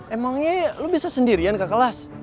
emangnya lu bisa sendirian ke kelas